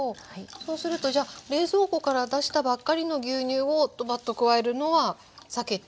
そうするとじゃあ冷蔵庫から出したばっかりの牛乳をドバッと加えるのは避けて。